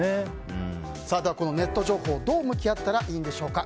ネット情報どう向き合ったらいいんでしょうか。